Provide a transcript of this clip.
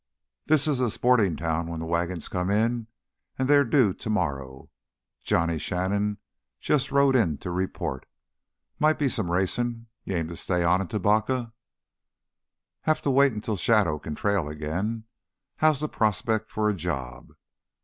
"This is a sporting town when the wagons come in, and they're due tomorrow. Johnny Shannon just rode in to report. Might be some racing. You aim to stay on in Tubacca?" "Have to until Shadow can trail again. How's the prospect for a job?"